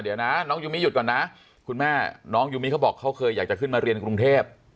เดี๋ยวนะน้องยูมิหยุดก่อนนะคุณแม่น้องยูมิเขาบอกเขาเคยอยากจะขึ้นมาเรียนกรุงเทพ